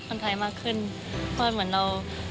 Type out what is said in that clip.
ชอบโมโหใส่คุณนิกเลยนะครับ